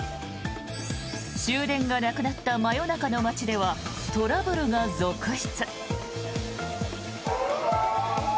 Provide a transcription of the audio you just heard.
終電がなくなった真夜中の街ではトラブルが続出。